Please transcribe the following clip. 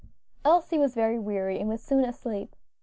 Elsie was very weary, and was soon asleep.